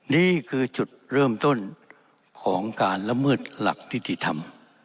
นี่คือจุดเริ่มต้นของการละเมิดหลักนิติธรรม